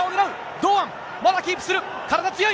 堂安、まだキープする、体強い。